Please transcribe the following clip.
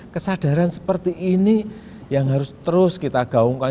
kesadaran seperti ini yang harus terus kita gaungkan